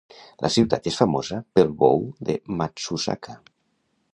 La ciutat és famosa pel bou de Matsusaka.